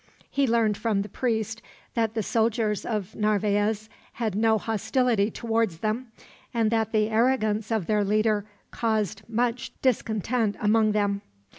He learned from the priest that the soldiers of Narvaez had no hostility towards them, and that the arrogance of their leader caused much discontent among them.